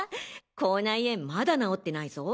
口内炎まだ治ってないぞ。